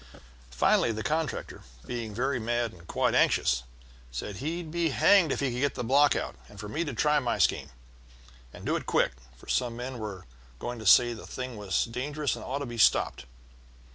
"Finally the contractor, being very mad and quite anxious, said he'd be hanged if he could get the block out, and for me to try my scheme, and do it quick, for some men were going about saying the thing was dangerous and ought to be stopped.